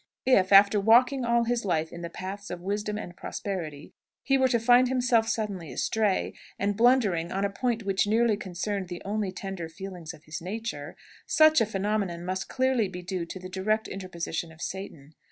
If, after walking all his life in the paths of wisdom and prosperity, he were to find himself suddenly astray, and blundering on a point which nearly concerned the only tender feelings of his nature, such a phenomenon must clearly be due to the direct interposition of Satan.